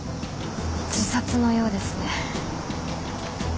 自殺のようですね。